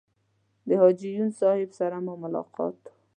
د حاجي یون صاحب سره مو ملاقات و.